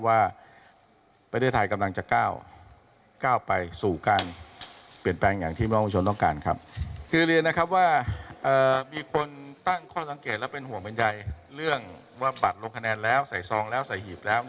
ว่าบัตรลงคะแนนแล้วใส่ซองแล้วใส่หีบแล้ว